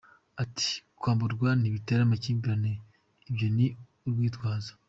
Ati “Kwamburwa ntibitera amakimbirane, ibyo ni urwitwazo.